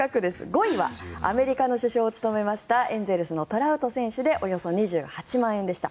５位はアメリカの主将を務めましたエンゼルスのトラウト選手でおよそ２８万円でした。